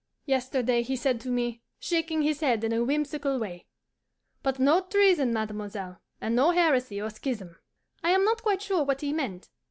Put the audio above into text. Yesterday he said to me, shaking his head in a whimsical way, "But no treason, mademoiselle, and no heresy or schism." I am not quite sure what he meant.